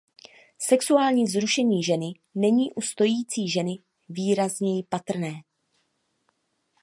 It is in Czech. Sexuální vzrušení ženy není u stojící ženy výrazněji patrné.